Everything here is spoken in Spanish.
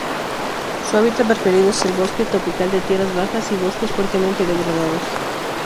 Su hábitat preferido es el bosque tropical de tierras bajas y bosques fuertemente degradados.